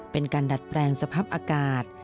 เป็นการดัดแปลงสภาพอากาศ